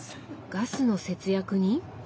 ガスの節約に？